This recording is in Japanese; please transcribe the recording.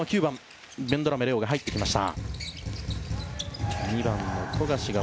日本は９番、ベンドラメ礼生が入ってきました。